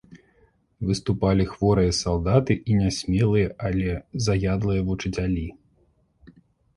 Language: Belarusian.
Выступалі хворыя салдаты і нясмелыя, але заядлыя вучыцялі.